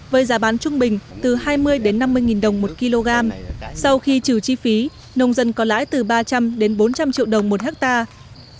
với giá bán trung bình từ hai mươi năm mươi nghìn đồng một kg sau khi trừ chi phí nông dân có lãi từ ba trăm linh đến bốn trăm linh triệu đồng một hectare